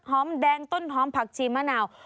หอมแดงต้นหอมผักชีมะนาว